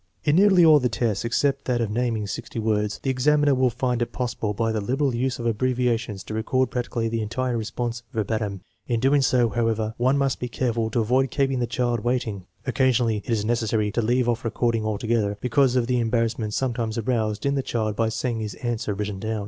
In nearly all the tests, except that of naming sixty words, the examiner will find it possible by the liberal use of abbreviations to record practically the entire response verbatim. In doing so, however, one must be careful to avoid keeping the child waiting. Occasionally it is necessary to leave off recording altogether because of the embarrassment sometimes aroused in the child by seeing his answer written down.